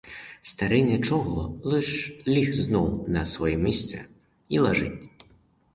Старий нічого, лиш ліг знов на своє місце і лежить.